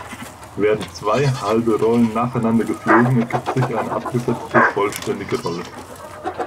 Werden zwei halbe Rollen nacheinander geflogen ergibt sich eine abgesetzte vollständige Rolle.